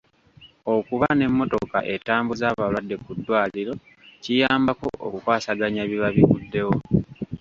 Okuba n'emmotoka etambuza abalwadde ku ddwaliro kiyambako okukwasaganya ebiba biguddewo.